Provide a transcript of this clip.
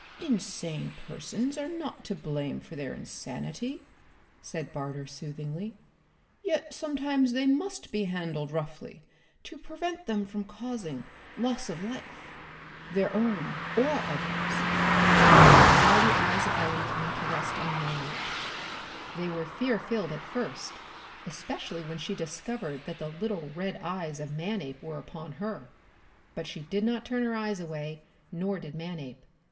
"Insane persons are not to blame for their insanity," said Barter soothingly. "Yet sometimes they must be handled roughly to prevent them from causing loss of life, their own or others." Now the eyes of Ellen came to rest on Manape. They were fear filled at first, especially when she discovered that the little red eyes of Manape were upon her. But she did not turn her eyes away, nor did Manape.